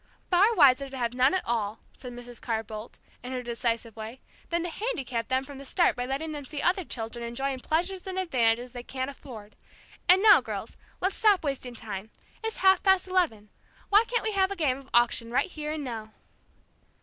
"Far wiser to have none at all," said Mrs. Carr Boldt, in her decisive way, "than to handicap them from the start by letting them see other children enjoying pleasures and advantages they can't afford. And now, girls, let's stop wasting time. It's half past eleven. Why can't we have a game of auction right here and now?"